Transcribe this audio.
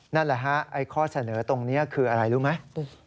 นั่นแหละครับตรงนี้คืออะไรรู้ไหม